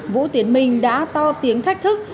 vũ tiến minh đã to tiếng thách thức